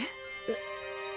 えっ？